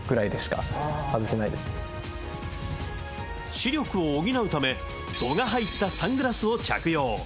視力を補うため、度が入ったサングラスを着用。